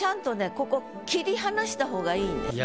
ここ切り離した方がいいんです。